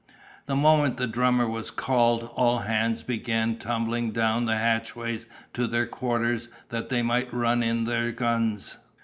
The moment the drummer was called, all hands began tumbling down the hatchways to their quarters, that they might run in their guns.